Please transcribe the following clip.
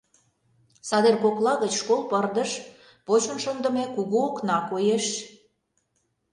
Садер кокла гыч школ пырдыж, почын шындыме кугу окна коеш.